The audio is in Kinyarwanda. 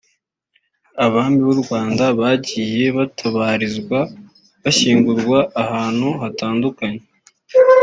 Abami b’u Rwanda bagiye batabarizwa(bashyingurwa) ahantu hatandukanye